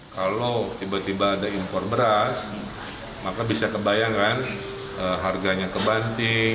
kalau tiba tiba ada impor beras maka bisa kebayang kan harganya kebanting